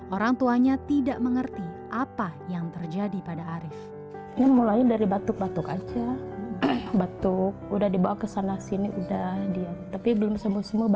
orang tuanya terlalu besar